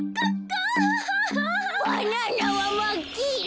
バナナはまっきいろ。